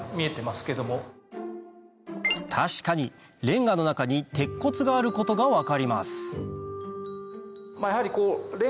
確かにれんがの中に鉄骨があることが分かりますやはり。